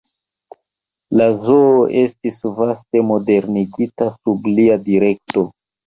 La zoo estis vaste modernigita sub lia direkto.